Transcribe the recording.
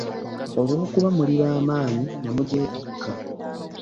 “Olw'okuba muli b'amaanyi, mmwe mugyetikka.